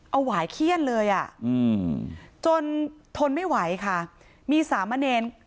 เอาหวายเขี้ยนเลยอ่ะอืมจนทนไม่ไหวค่ะมีสามเณร